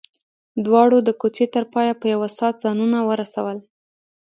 دواړو د کوڅې تر پايه په يوه ساه ځانونه ورسول.